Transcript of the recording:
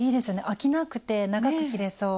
飽きなくて長く着れそう。